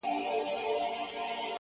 د زړه قوت تر بدن لوی وي